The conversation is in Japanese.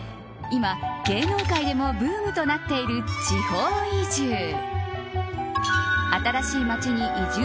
今、芸能界でもブームとなっている地方移住。